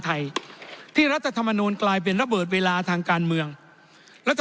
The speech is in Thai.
ไทยที่รัฐธรรมนูลกลายเป็นระเบิดเวลาทางการเมืองรัฐ